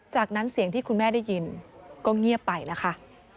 จากนั้นเสียงที่คุณแม่ได้ยินก็เงียบไปนะคะ